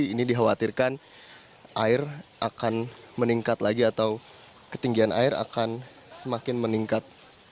ini dikhawatirkan air akan meningkat lagi atau ketinggian air akan semakin meningkat